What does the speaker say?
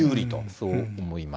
そう思います。